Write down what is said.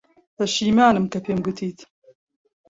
پەشیمانم کە پێم گوتیت.